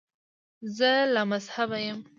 زه لامذهبه یم.